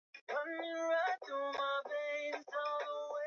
yeye na wasaidizi wake ugunja na pembo warejeshwe madarakani